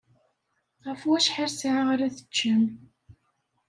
Ɣef wacḥal ssaɛa ara teččem?